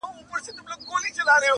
د حرم د ښایستو پر زړه پرهار وو!!